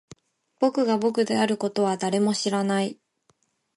僕が僕であることは誰も知らない